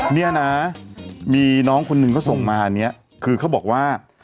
เนี่ยนะมีน้องคนหนึ่งเขาส่งมาเนี่ยคือเขาบอกว่า